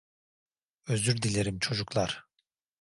Özür dilerim çocuklar.